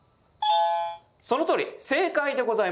そのとおり正解でございます。